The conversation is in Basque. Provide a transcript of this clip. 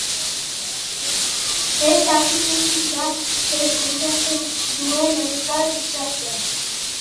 Ez dakiguna da zer pentsatzen duen euskal gizarteak.